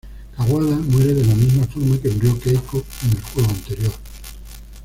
Kawada muere de la misma forma que murió Keiko en el juego anterior.